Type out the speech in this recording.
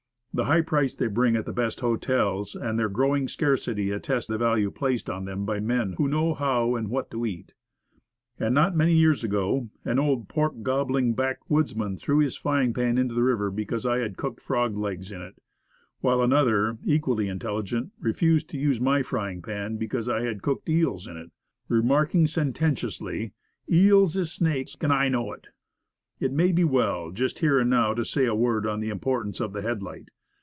The high price they bring at the best hotels, and their growing scarcity, attest the value placed on them by men who know how and what to eat. And, not many years ago, an old pork gobbling backwoodsman threw his frying pan into the river because I had cooked frogs' legs in it. While another, equally intelligent, refused to use my frying pan, because I had cooked eels in it; re marking sententiously, "Eels is snakes, an' I know it." It may be well, just here and now, to say a word on the importance of the headlight.